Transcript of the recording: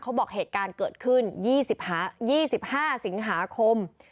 บอกเหตุการณ์เกิดขึ้น๒๕สิงหาคม